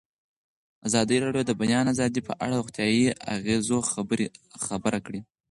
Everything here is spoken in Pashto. ازادي راډیو د د بیان آزادي په اړه د روغتیایي اغېزو خبره کړې.